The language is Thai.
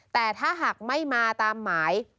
แต่ถ้าหากไม่มาตามหมาย